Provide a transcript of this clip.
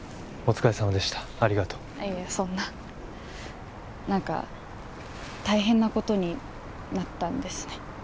お疲れさまでしたありがとういえそんな何か大変なことになったんですね